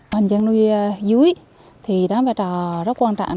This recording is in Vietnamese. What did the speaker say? mình đang nuôi rúi thì đang bài trò rất quan trọng